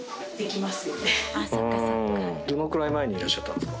どのくらい前にいらっしゃったんですか？